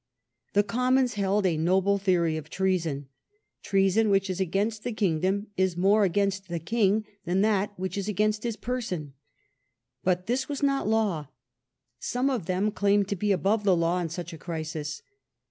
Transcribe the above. The Commons held a noble theory of treason :" Treason which is against the kingdom is more against the king than that which is against his person ": but this was not law. Some of them claimed to be above the law in such a crisis.